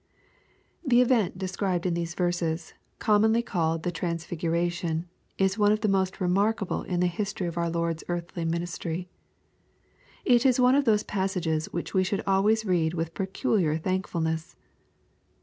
The event described in these verses, commonly called '^ the transfiguration/ is one of the most remarkable in the history X)f our Loid's earthly ministry. It is one of those passages which we should always read with peculiar thankfulness.